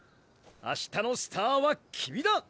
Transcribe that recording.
あしたのスターは君だ！